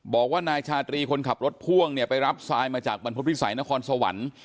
บอกว่านายชาตรีคนขับรถพ่วงเนี่ยไปรับทรายมาจากบรรพฤษภิษัยนครสวรรค์